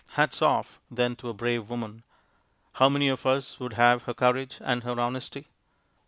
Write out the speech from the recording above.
Hats off, then, to a brave woman! How many of us would have her courage and her honesty?